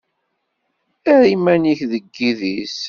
Err iman-ik deg yidis.